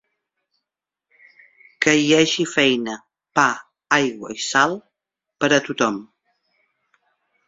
Que hi hagi feina, pa, aigua i sal per a tothom.